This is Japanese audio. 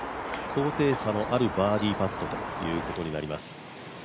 高低差のあるバーディーパットということになります。